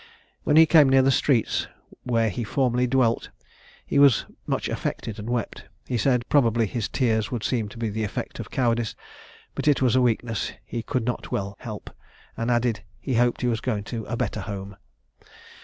"When he came near the street where he formerly dwelt he was much affected, and wept. He said, probably his tears would seem to be the effect of cowardice, but it was a weakness he could not well help; and added, he hoped he was going to a better home.